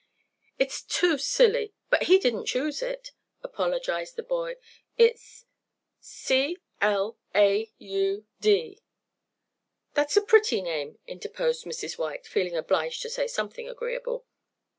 "It's too silly, but he didn't choose it," apologized the boy. "It's C l a u d!" "That's a pretty name," interposed Mrs. White, feeling obliged to say something agreeable.